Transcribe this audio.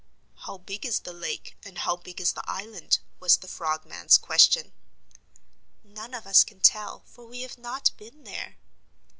"How big is the lake and how big is the island?" was the Frogman's question. "None of us can tell, for we have not been there."